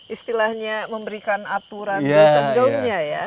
istilahnya memberikan aturan